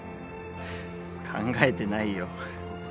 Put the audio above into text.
考えてないよ。